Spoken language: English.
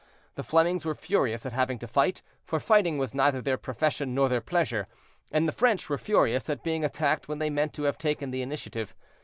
The Flemings were furious at having to fight, for fighting was neither their profession nor their pleasure; and the French were furious at being attacked when they meant to have taken the initiative.